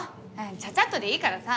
チャチャッとでいいからさ。